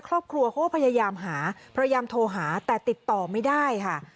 ครอบครัวเขาก็พยายามหาพยายามโทรหาแต่ติดต่อไม่ได้ค่ะ